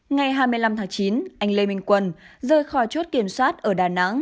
ngày hai mươi năm tháng chín anh lê minh quân rời khỏi chốt kiểm soát ở đà nẵng